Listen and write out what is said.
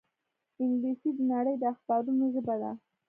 انګلیسي د نړۍ د اخبارونو ژبه ده